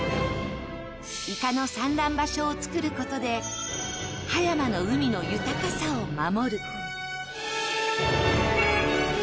イカの産卵場所を作ることで葉山の海の豊かさを守ると。